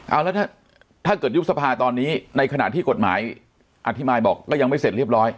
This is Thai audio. เอาแล้วถ้าเกิดยุบสภาตอนนี้ในขณะที่กฎหมายอธิบายบอกก็ยังไม่เสร็จเรียบร้อย